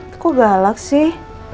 kok galak sih